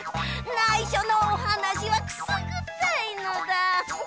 ないしょのおはなしはくすぐったいのだ。